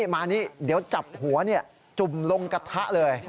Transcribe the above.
มานี่เดี๋ยวจับหัวจุ่มลงกระทะเลย